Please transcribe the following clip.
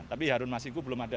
tapi harun masiku belum ada